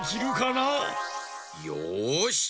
よし！